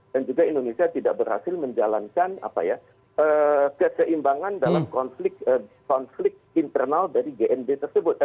dan juga indonesia tidak berhasil menjalankan keseimbangan dalam konflik internal dari g dua puluh tersebut